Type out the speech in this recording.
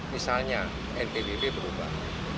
misalnya nkbb berubah